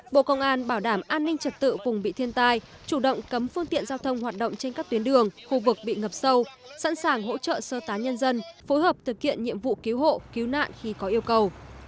bộ công an bảo đảm an ninh trật tự vùng bị thiên tai chủ động cấm phương tiện giao thông hoạt động trên các tuyến đường khu vực bị ngập sâu sẵn sàng hỗ trợ sơ tán nhân dân phối hợp thực hiện nhiệm vụ cứu hộ cứu nạn khi có yêu cầu